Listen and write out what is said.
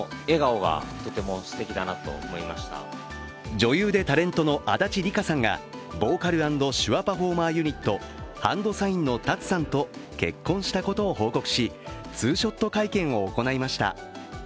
女優でタレントの足立梨花さんが、ボーカル＆手話パフォーマンスユニットＨＡＮＤＳＩＧＮのＴＡＴＳＵさんと結婚したことを報告しツーショット会見を行いました。